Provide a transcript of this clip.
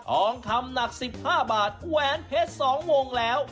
ทองคำหนักสิบห้าบาทแหวนเพชรสองวงแล้ว